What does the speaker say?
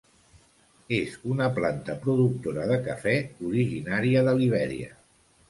És una planta productora de cafè originària de Libèria.